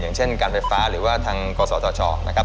อย่างเช่นการไฟฟ้าหรือว่าทางกศธชนะครับ